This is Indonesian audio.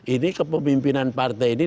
ini kepemimpinan partai ini